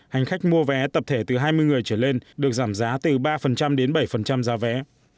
hành khách mua vé tập thể từ hai mươi người trở lên được giảm giá từ ba đến bảy giá vé